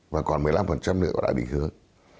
và còn một mươi năm nữa đã bị hướng